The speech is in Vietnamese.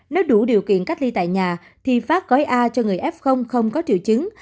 nếu đủ điều kiện cách ly tại nhà thì phát gói a cho người f không có triệu chứng